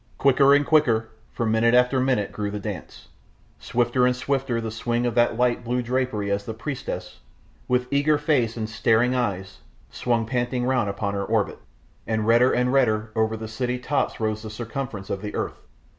Quicker and quicker, for minute after minute, grew the dance, swifter and swifter the swing of the light blue drapery as the priestess, with eager face and staring eyes, swung panting round upon her orbit, and redder and redder over the city tops rose the circumference of the earth.